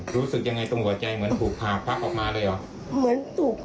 หูสึกอย่างไรตรงหัวใจเหมือนถูกพาหักออกมาเลยเหรอ